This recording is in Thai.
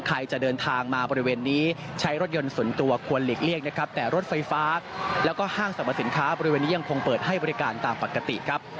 ใครจะเดินทางมาบริเวณนี้ใช้รถยนต์ส่วนตัวควรหลีกเลี่ยงนะครับแต่รถไฟฟ้าแล้วก็ห้างสรรพสินค้าบริเวณนี้ยังคงเปิดให้บริการตามปกติครับ